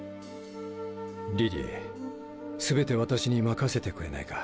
リリー全て私に任せてくれないか？